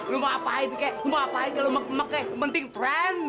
lu mau apain kek lu mau apain kek lu mau pake penting trendy